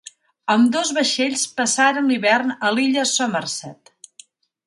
Ambdós vaixells passaren l'hivern a l'illa Somerset.